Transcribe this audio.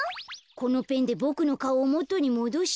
このペンでボクのかおをもとにもどして。